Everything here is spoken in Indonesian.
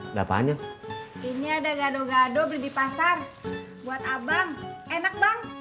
ada apaan yang ini ada gaduh gaduh beli di pasar buat abang enak